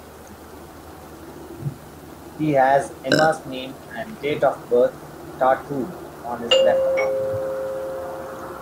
He has Emma's name and date of birth tattooed on his left arm.